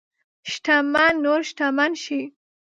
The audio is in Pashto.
شتمن نور شتمن شي.